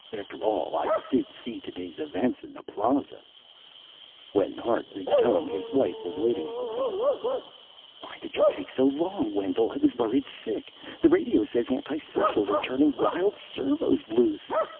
"After all, I did see today's events in the Plaza." When Hart reached home his wife was waiting for him. "Why did you take so long, Wendell. I was worried sick. The radio says anti socials are turning wild servos loose.